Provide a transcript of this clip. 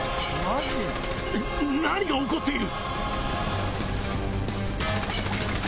何が起こっている⁉